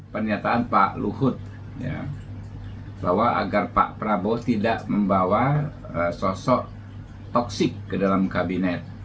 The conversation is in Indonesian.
pernyataan pak luhut bahwa agar pak prabowo tidak membawa sosok toksik ke dalam kabinet